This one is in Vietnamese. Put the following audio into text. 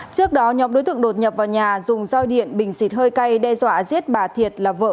trước đó nhóm đối tượng đột nhập vào nhà dùng roi điện bình xịt hơi cay đe dọa giết bà thiệt là vợ